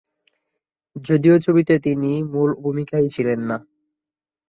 যদিও ছবিতে তিনি মূল ভূমিকায় ছিলেন না।